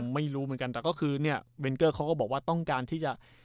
ไม่รู้เหมือนกันแต่ก็คือเนี่ยเวนเกอร์เขาก็บอกว่าต้องการที่จะ